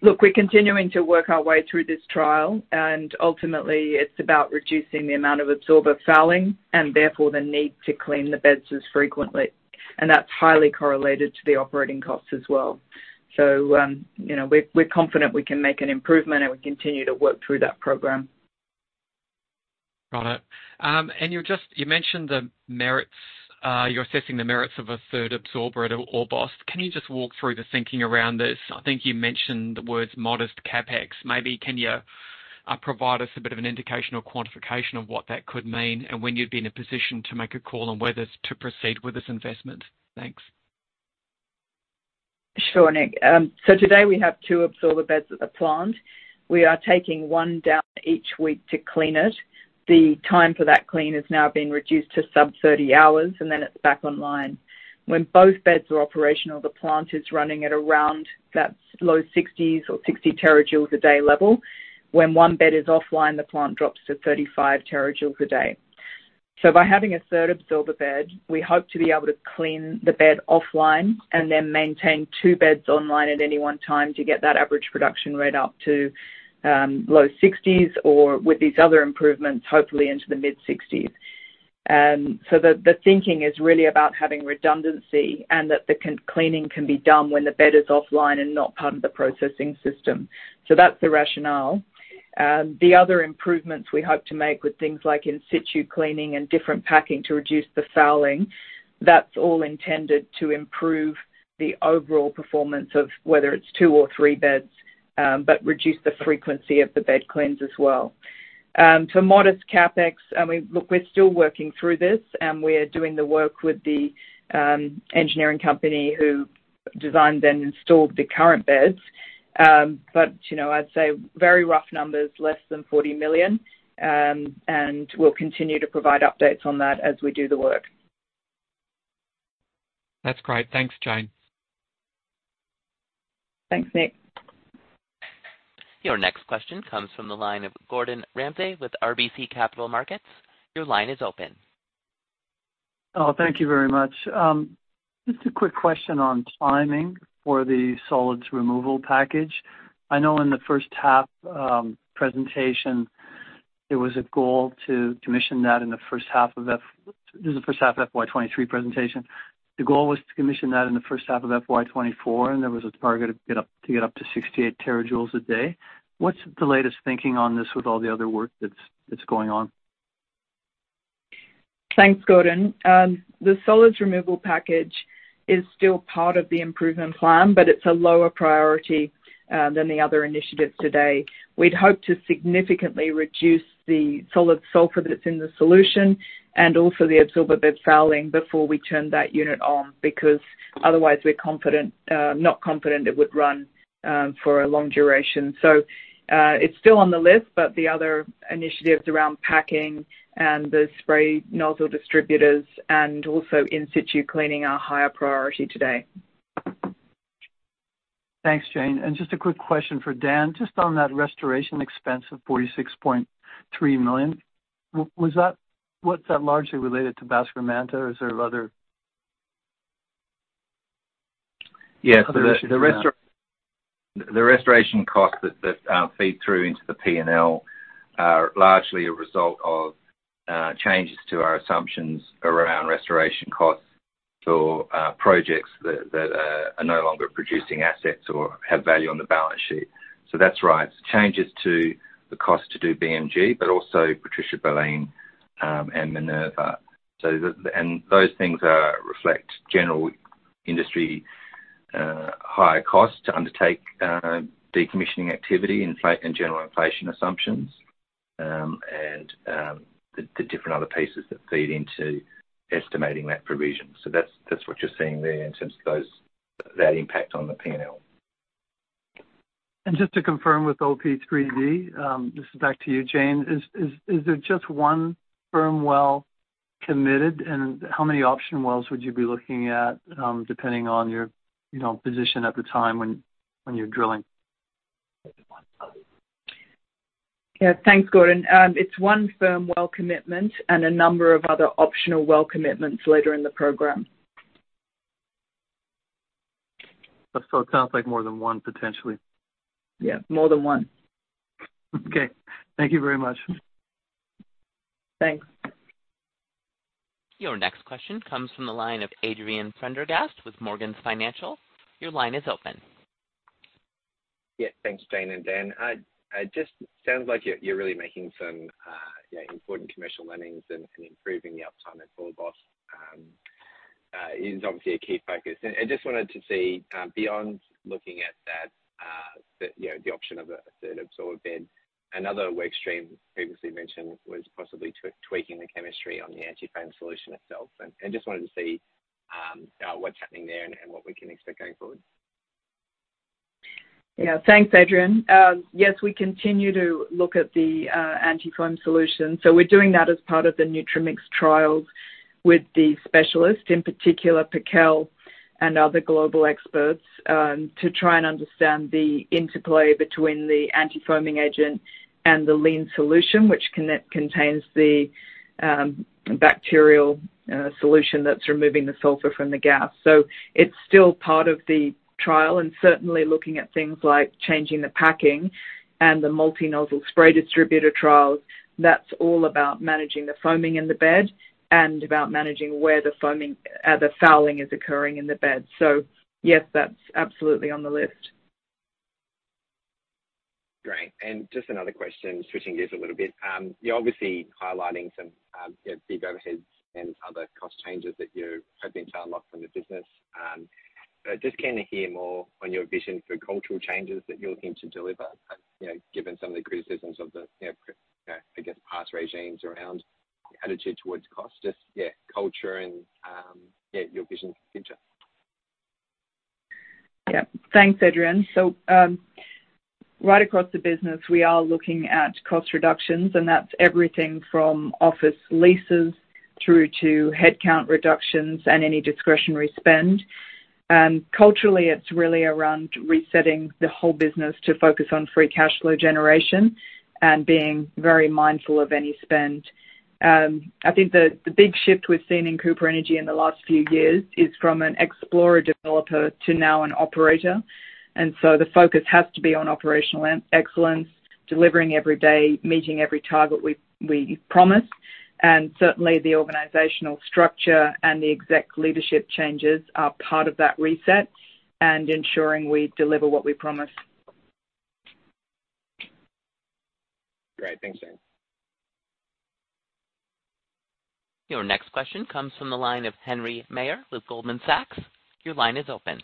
S2: Look, we're continuing to work our way through this trial, and ultimately, it's about reducing the amount of absorber fouling and therefore the need to clean the beds as frequently. And that's highly correlated to the operating costs as well. So, you know, we're confident we can make an improvement, and we continue to work through that program.
S4: Got it. You just mentioned the merits you're assessing the merits of a third absorber at Orbost. Can you just walk through the thinking around this? I think you mentioned the words modest CapEx. Maybe can you provide us a bit of an indication or quantification of what that could mean, and when you'd be in a position to make a call on whether to proceed with this investment? Thanks.
S2: Sure, Nick. So today we have two absorber beds at the plant. We are taking one down each week to clean it. The time for that clean has now been reduced to sub-30 hours, and then it's back online. When both beds are operational, the plant is running at around that low 60s or 60 terajoules a day level. When one bed is offline, the plant drops to 35 terajoules a day. So by having a third absorber bed, we hope to be able to clean the bed offline and then maintain two beds online at any one time to get that average production rate up to low 60s or with these other improvements, hopefully into the mid-60s. So the thinking is really about having redundancy and that the cleaning can be done when the bed is offline and not part of the processing system. So that's the rationale. The other improvements we hope to make with things like in-situ cleaning and different packing to reduce the fouling, that's all intended to improve the overall performance of whether it's two or three beds, but reduce the frequency of the bed cleanse as well. So modest CapEx, I mean, look, we're still working through this, and we're doing the work with the engineering company who designed and installed the current beds. But you know, I'd say very rough numbers, less than 40 million, and we'll continue to provide updates on that as we do the work.
S4: That's great. Thanks, Jane....
S2: Thanks, Nick.
S1: Your next question comes from the line of Gordon Ramsay with RBC Capital Markets. Your line is open.
S5: Oh, thank you very much. Just a quick question on timing for the solids removal package. I know in the first half presentation (this is the first half of FY 2023 presentation), it was a goal to commission that in the first half of FY 2024, and there was a target to get up to 68 terajoules a day. What's the latest thinking on this with all the other work that's going on?
S2: Thanks, Gordon. The solids removal package is still part of the improvement plan, but it's a lower priority than the other initiatives today. We'd hope to significantly reduce the solid sulfur that's in the solution and also the absorber bed fouling before we turn that unit on, because otherwise we're confident, not confident it would run for a long duration. So, it's still on the list, but the other initiatives around packing and the spray nozzle distributors and also in situ cleaning are higher priority today.
S5: Thanks, Jane. And just a quick question for Dan. Just on that restoration expense of 46.3 million, was that largely related to Basker Manta, or is there other-
S3: Yes.
S5: Other issues than that?
S3: The restoration costs that feed through into the P&L are largely a result of changes to our assumptions around restoration costs for projects that are no longer producing assets or have value on the balance sheet. So that's right. Changes to the cost to do BMG, but also Patricia Baleen, and Minerva. So, and those things reflect general industry higher costs to undertake decommissioning activity, inflation, and general inflation assumptions, and the different other pieces that feed into estimating that provision. So that's what you're seeing there in terms of those that impact on the P&L.
S5: Just to confirm with OP-3D, this is back to you, Jane. Is there just one firm well committed, and how many option wells would you be looking at, depending on your, you know, position at the time when you're drilling?
S2: Yeah. Thanks, Gordon. It's one firm well commitment and a number of other optional well commitments later in the program.
S5: It sounds like more than one, potentially.
S2: Yeah, more than one.
S5: Okay. Thank you very much.
S2: Thanks.
S1: Your next question comes from the line of Adrian Prendergast with Morgans Financial. Your line is open.
S6: Yeah. Thanks, Jane and Dan. It just sounds like you're really making some important commercial learnings and improving the uptime at Orbost is obviously a key focus. And I just wanted to see, beyond looking at that, you know, the option of a third absorber bed. Another work stream previously mentioned was possibly tweaking the chemistry on the antifoam solution itself. And just wanted to see what's happening there and what we can expect going forward.
S2: Yeah. Thanks, Adrian. Yes, we continue to look at the antifoam solution. So we're doing that as part of the Nutrimix trials with the specialists, in particular, Paqell and other global experts, to try and understand the interplay between the antifoaming agent and the lean solution, which contains the bacterial solution that's removing the sulfur from the gas. So it's still part of the trial, and certainly looking at things like changing the packing and the multi-nozzle spray distributor trials, that's all about managing the foaming in the bed and about managing where the foaming, the fouling is occurring in the bed. So yes, that's absolutely on the list.
S6: Great. Just another question, switching gears a little bit. You're obviously highlighting some, yeah, big overheads and other cost changes that you have been to unlock from the business. But just keen to hear more on your vision for cultural changes that you're looking to deliver, you know, given some of the criticisms of the, you know, I guess, past regimes around attitude towards cost, just, yeah, culture and, yeah, your vision for the future.
S2: Yeah. Thanks, Adrian. So, right across the business, we are looking at cost reductions, and that's everything from office leases through to headcount reductions and any discretionary spend. And culturally, it's really around resetting the whole business to focus on free cash flow generation and being very mindful of any spend. I think the big shift we've seen in Cooper Energy in the last few years is from an explorer developer to now an operator. And so the focus has to be on operational excellence, delivering every day, meeting every target we promise. And certainly, the organizational structure and the exec leadership changes are part of that reset and ensuring we deliver what we promise.
S6: Great. Thanks, Jane.
S1: Your next question comes from the line of Henry Mayer with Goldman Sachs. Your line is open.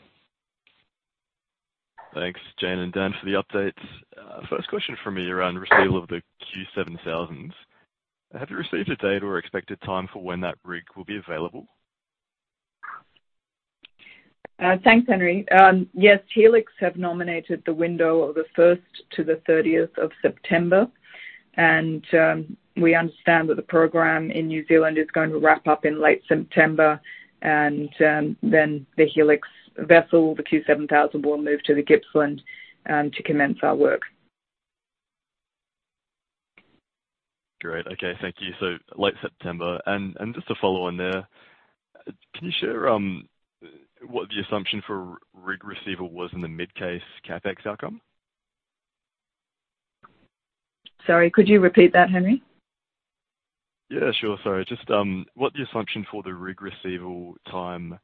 S3: Thanks, Jane and Dan, for the updates. First question for me around receipt of the Q7000. Have you received a date or expected time for when that rig will be available?
S2: Thanks, Henry. Yes, Helix have nominated the window of the first to the thirtieth of September. We understand that the program in New Zealand is going to wrap up in late September, and then the Helix vessel, the Q7000, will move to the Gippsland to commence our work.
S7: Great. Okay, thank you. So late September. And just to follow on there, can you share what the assumption for rig receivable was in the mid-case CapEx outcome?
S2: Sorry, could you repeat that, Henry?
S7: Yeah, sure. Sorry. Just, what the assumption for the rig receivable time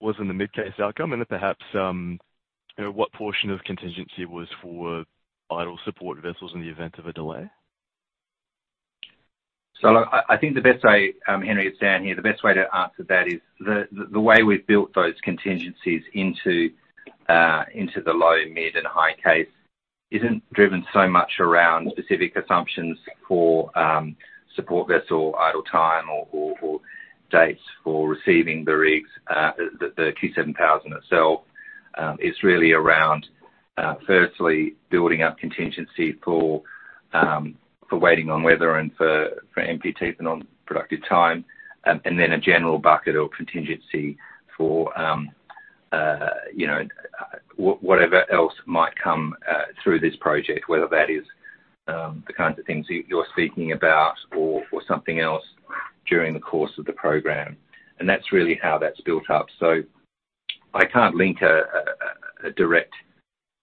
S7: was in the mid-case outcome, and then perhaps, you know, what portion of contingency was for idle support vessels in the event of a delay?
S3: So I think the best way, Henry, it's Dan here. The best way to answer that is the way we've built those contingencies into the low, mid, and high case isn't driven so much around specific assumptions for support vessel idle time or dates for receiving the rigs, the Q7000 itself. It's really around, firstly, building up contingency for waiting on weather and for NPT, the non-productive time, and then a general bucket or contingency for, you know, whatever else might come through this project, whether that is the kinds of things you're speaking about or something else during the course of the program. And that's really how that's built up. So I can't link a direct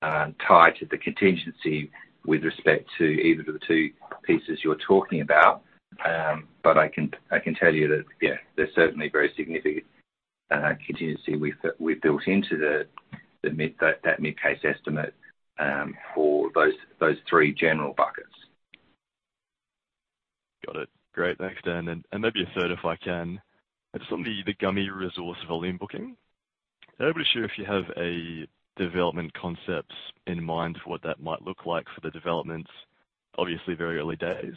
S3: tie to the contingency with respect to either of the two pieces you're talking about. But I can tell you that, yeah, there's certainly very significant contingency we've built into the mid-case estimate for those three general buckets.
S7: Got it. Great. Thanks, Dan. And, and maybe a third, if I can. Just on the Gummy resource volume booking, I'm just sure if you have a development concepts in mind for what that might look like for the developments, obviously, very early days.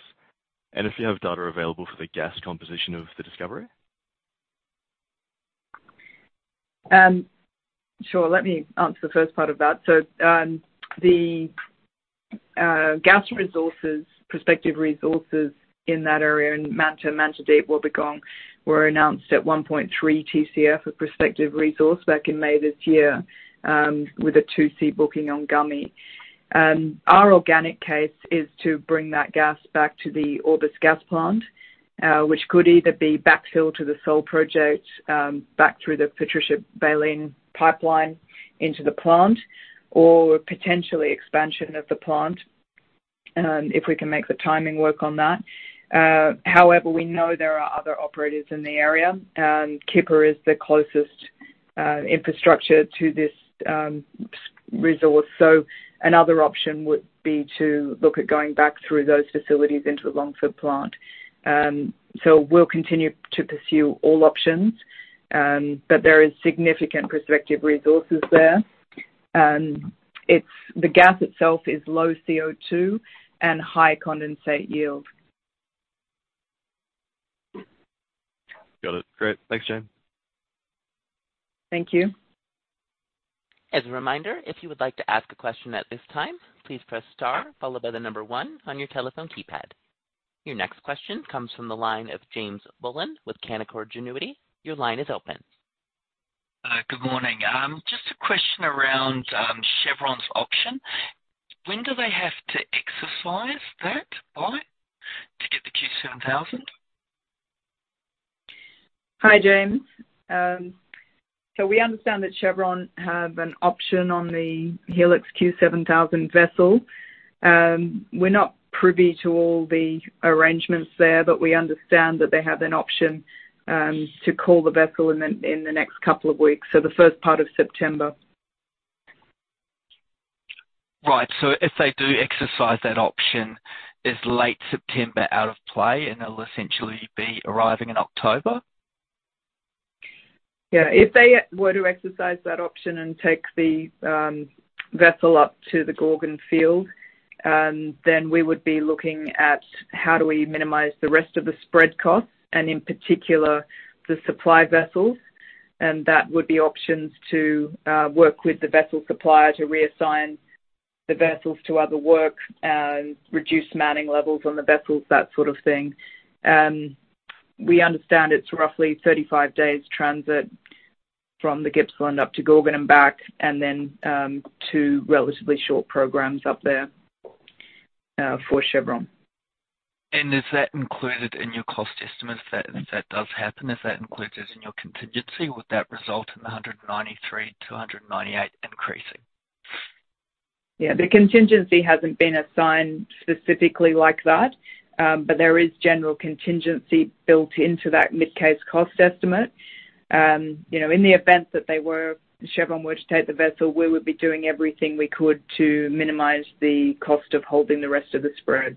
S7: And if you have data available for the gas composition of the discovery.
S2: Sure. Let me answer the first part of that. So, the gas resources, prospective resources in that area, in Manta, Manta Deep, Wobbegong, were announced at 1.3 TCF of prospective resource back in May this year, with a 2C booking on Gummy. Our organic case is to bring that gas back to the Orbost gas plant, which could either be backfill to the Sole project, back through the Patricia Baleen pipeline into the plant, or potentially expansion of the plant, if we can make the timing work on that. However, we know there are other operators in the area, and Kipper is the closest infrastructure to this resource. So another option would be to look at going back through those facilities into the Longford plant. We'll continue to pursue all options, but there is significant prospective resources there. It's the gas itself is low CO2 and high condensate yield.
S7: Got it. Great. Thanks, Jane.
S2: Thank you.
S1: As a reminder, if you would like to ask a question at this time, please press star followed by the number one on your telephone keypad. Your next question comes from the line of James Bullen with Canaccord Genuity. Your line is open.
S8: Good morning. Just a question around Chevron's option. When do they have to exercise that buy to get the Q7000?
S2: Hi, James. So we understand that Chevron have an option on the Helix Q7000 vessel. We're not privy to all the arrangements there, but we understand that they have an option to call the vessel in the next couple of weeks, so the first part of September.
S8: Right. So if they do exercise that option, is late September out of play, and they'll essentially be arriving in October?
S2: Yeah. If they were to exercise that option and take the vessel up to the Gorgon Field, then we would be looking at how do we minimize the rest of the spread cost and in particular, the supply vessels. That would be options to work with the vessel supplier to reassign the vessels to other work and reduce manning levels on the vessels, that sort of thing. We understand it's roughly 35 days transit from the Gippsland up to Gorgon and back, and then two relatively short programs up there for Chevron.
S8: Is that included in your cost estimates if that, if that does happen, is that included in your contingency? Would that result in the $193-$198 increasing?
S2: Yeah. The contingency hasn't been assigned specifically like that, but there is general contingency built into that mid-case cost estimate. You know, in the event that Chevron were to take the vessel, we would be doing everything we could to minimize the cost of holding the rest of the spread.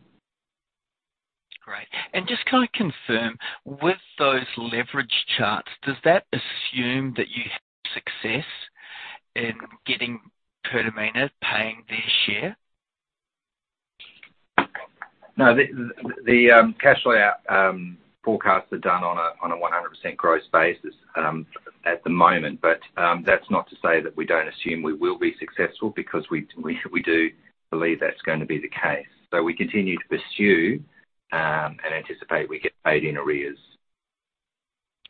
S8: Great. Just can I confirm, with those leverage charts, does that assume that you have success in getting Pertamina paying their share?
S3: No, the cash flow out forecasts are done on a 100% gross basis at the moment. But that's not to say that we don't assume we will be successful because we do believe that's going to be the case. So we continue to pursue and anticipate we get paid in arrears.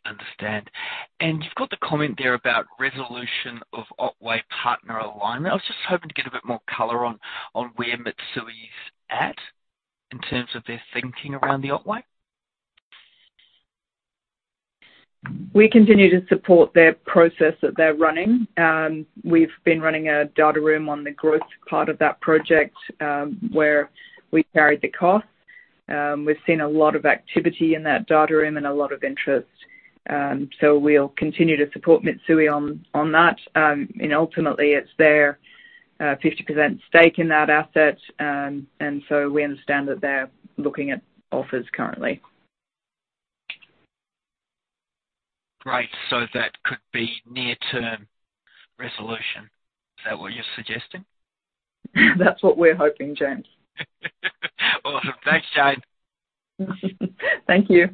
S8: Understand. You've got the comment there about resolution of Otway partner alignment. I was just hoping to get a bit more color on where Mitsui is at in terms of their thinking around the Otway.
S2: We continue to support their process that they're running. We've been running a data room on the growth part of that project, where we carried the cost. We've seen a lot of activity in that data room and a lot of interest. So we'll continue to support Mitsui on, on that. And ultimately, it's their, 50% stake in that asset. And so we understand that they're looking at offers currently.
S8: Great. So that could be near-term resolution. Is that what you're suggesting?
S2: That's what we're hoping, James.
S8: Awesome. Thanks, Jane.
S2: Thank you.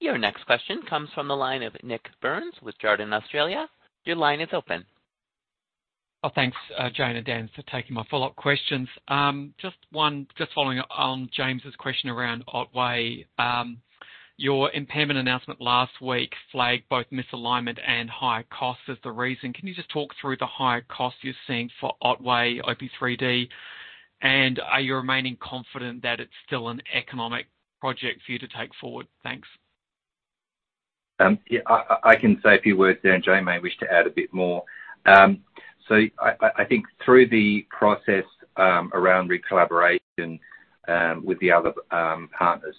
S1: Your next question comes from the line of Nick Burns with Jarden Australia. Your line is open.
S4: Oh, thanks, Jane and Dan, for taking my follow-up questions. Just one, just following up on James's question around Otway. Your impairment announcement last week flagged both misalignment and higher costs as the reason. Can you just talk through the higher costs you're seeing for Otway OP3D? And are you remaining confident that it's still an economic project for you to take forward? Thanks.
S3: Yeah, I can say a few words there, and Jane may wish to add a bit more. So I think through the process around recalibration with the other partners,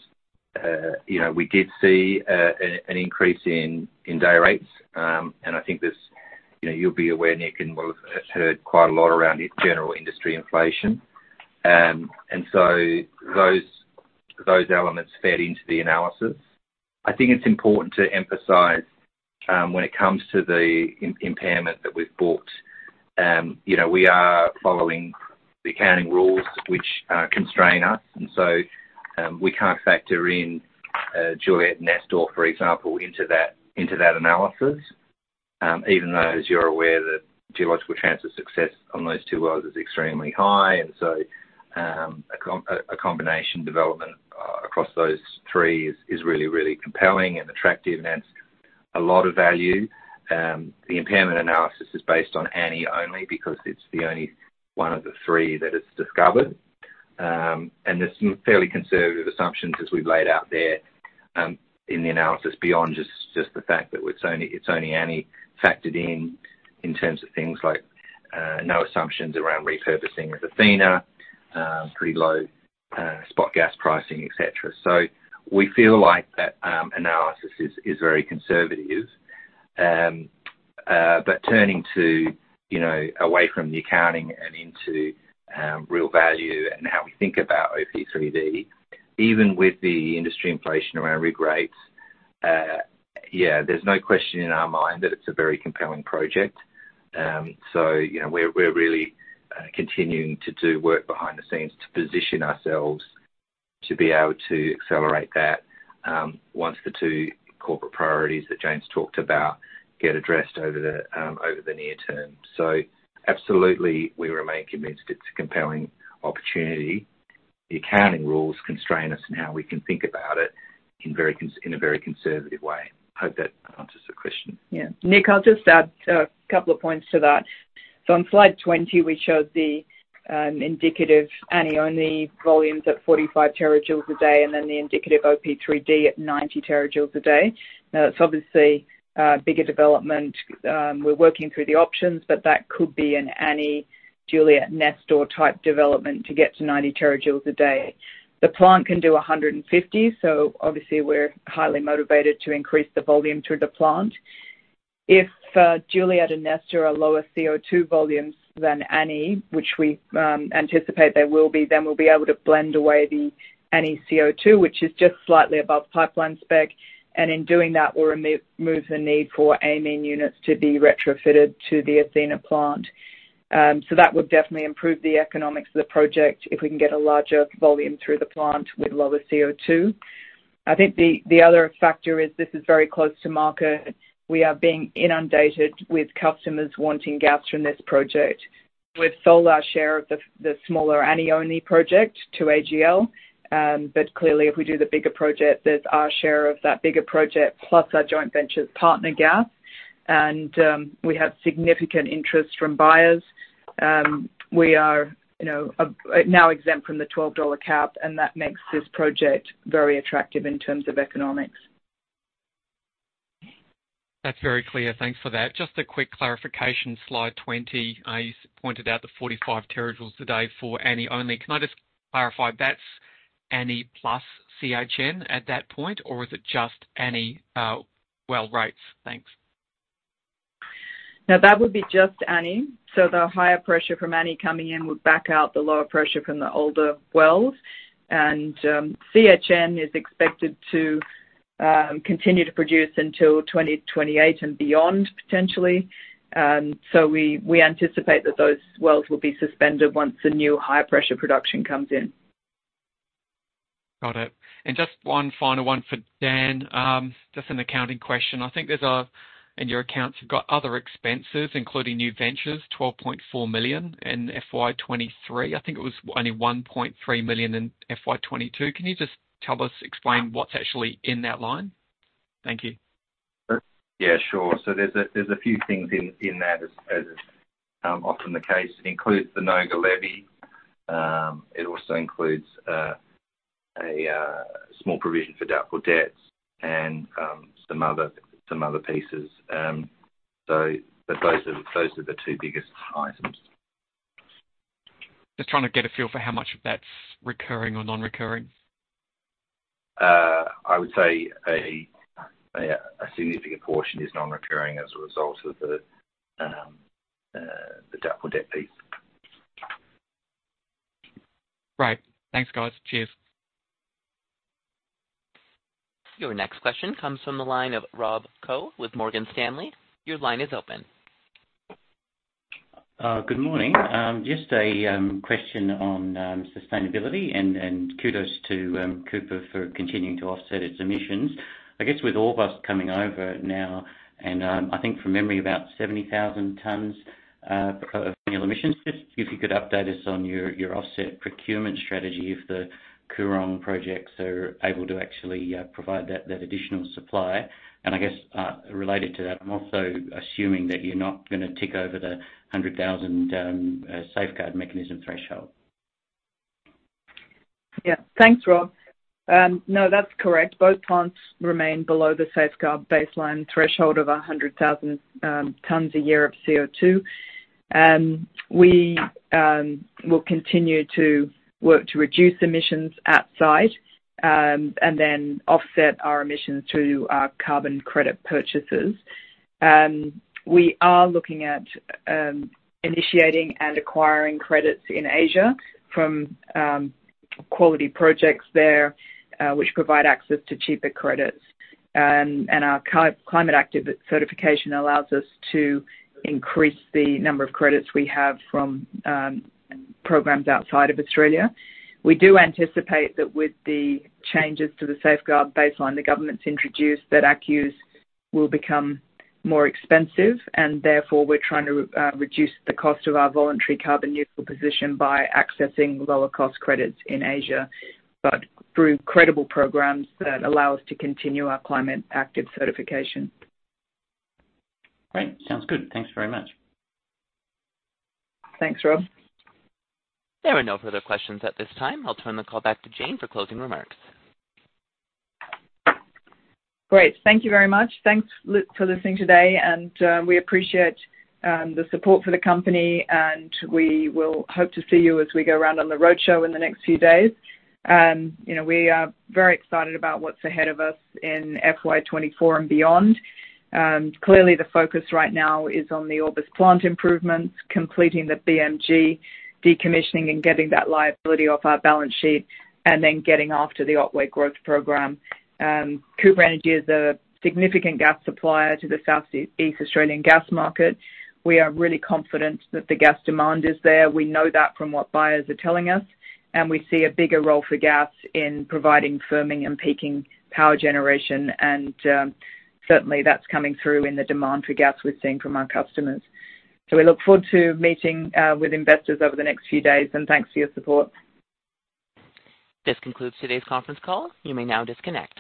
S3: you know, we did see an increase in day rates. And I think there's, you know, you'll be aware, Nick, and we'll have heard quite a lot around the general industry inflation. So those elements fed into the analysis. I think it's important to emphasize when it comes to the impairment that we've bought, you know, we are following the accounting rules which constrain us, and so we can't factor in Juliet, Nestor, for example, into that analysis. Even though, as you're aware, the geological chance of success on those two wells is extremely high, and so, a combination development across those three is really, really compelling and attractive and adds a lot of value. The impairment analysis is based on Annie only because it's the only one of the three that is discovered. There's some fairly conservative assumptions as we've laid out there, in the analysis, beyond just the fact that it's only Annie factored in, in terms of things like no assumptions around repurposing with Athena, pretty low spot gas pricing, et cetera. So we feel like that analysis is very conservative. But turning to, you know, away from the accounting and into real value and how we think about OP-3D, even with the industry inflation around day rates, yeah, there's no question in our mind that it's a very compelling project. So, you know, we're, we're really continuing to do work behind the scenes to position ourselves to be able to accelerate that, once the 2 corporate priorities that James talked about get addressed over the near term. So absolutely, we remain convinced it's a compelling opportunity. The accounting rules constrain us in how we can think about it in very cons- in a very conservative way. I hope that answers the question.
S2: Yeah. Nick, I'll just add a couple of points to that. So on slide 20, we showed the indicative Annie-only volumes at 45 terajoules a day, and then the indicative OP-3D at 90 terajoules a day. Now, it's obviously a bigger development. We're working through the options, but that could be an Annie, Juliet, Nestor type development to get to 90 terajoules a day. The plant can do 150, so obviously we're highly motivated to increase the volume through the plant. If Juliet and Nestor are lower CO2 volumes than Annie, which we anticipate they will be, then we'll be able to blend away the Annie CO2, which is just slightly above pipeline spec. And in doing that, we'll remove the need for amine units to be retrofitted to the Athena plant. So that would definitely improve the economics of the project if we can get a larger volume through the plant with lower CO2. I think the other factor is this is very close to market. We are being inundated with customers wanting gas from this project. We've sold our share of the smaller Annie-only project to AGL, but clearly, if we do the bigger project, there's our share of that bigger project, plus our joint venture's partner gas, and we have significant interest from buyers. We are, you know, now exempt from the 12 dollar cap, and that makes this project very attractive in terms of economics.
S4: That's very clear. Thanks for that. Just a quick clarification. Slide 20, you pointed out the 45 terajoules a day for Annie only. Can I just clarify, that's Annie plus CHN at that point, or is it just Annie, well rates? Thanks.
S2: Now, that would be just Annie. So the higher pressure from Annie coming in would back out the lower pressure from the older wells. And, CHN is expected to continue to produce until 2028 and beyond, potentially. So we anticipate that those wells will be suspended once the new high-pressure production comes in.
S4: Got it. And just one final one for Dan. Just an accounting question. I think there's a, in your accounts, you've got other expenses, including new ventures, $12.4 million in FY 2023. I think it was only $1.3 million in FY 2022. Can you just tell us, explain what's actually in that line? Thank you.
S3: Yeah, sure. So there's a few things in that, as often the case. It includes the NOGA levy. It also includes a small provision for doubtful debts and some other pieces. So, but those are the two biggest items.
S4: Just trying to get a feel for how much of that's recurring or non-recurring.
S3: I would say a significant portion is non-recurring as a result of the doubtful debt piece.
S4: Right. Thanks, guys. Cheers.
S1: Your next question comes from the line of Rob Koh with Morgan Stanley. Your line is open.
S9: Good morning. Just a question on sustainability and kudos to Cooper for continuing to offset its emissions. I guess, with all of us coming over now, and I think from memory, about 70,000 tons per annual emissions. Just if you could update us on your offset procurement strategy, if the Coorong projects are able to actually provide that additional supply. And I guess, related to that, I'm also assuming that you're not gonna tick over the 100,000 Safeguard Mechanism threshold.
S2: Yeah. Thanks, Rob. No, that's correct. Both plants remain below the safeguard baseline threshold of 100,000 tons a year of CO2. We will continue to work to reduce emissions at site, and then offset our emissions through our carbon credit purchases. We are looking at initiating and acquiring credits in Asia from quality projects there, which provide access to cheaper credits. And our Climate Active certification allows us to increase the number of credits we have from programs outside of Australia. We do anticipate that with the changes to the safeguard baseline, the government's introduced, that ACCUs will become more expensive, and therefore, we're trying to reduce the cost of our voluntary carbon neutral position by accessing lower-cost credits in Asia. But through credible programs that allow us to continue our Climate Active certification.
S9: Great. Sounds good. Thanks very much.
S2: Thanks, Rob.
S1: There are no further questions at this time. I'll turn the call back to Jane for closing remarks.
S2: Great. Thank you very much. Thanks, Luke, for listening today, and we appreciate the support for the company, and we will hope to see you as we go around on the roadshow in the next few days. You know, we are very excited about what's ahead of us in FY 2024 and beyond. Clearly the focus right now is on the Orbost plant improvements, completing the BMG decommissioning, and getting that liability off our balance sheet, and then getting after the Otway growth program. Cooper Energy is a significant gas supplier to the South East Australian gas market. We are really confident that the gas demand is there. We know that from what buyers are telling us, and we see a bigger role for gas in providing firming and peaking power generation, and certainly that's coming through in the demand for gas we're seeing from our customers. So we look forward to meeting with investors over the next few days, and thanks for your support.
S1: This concludes today's conference call. You may now disconnect.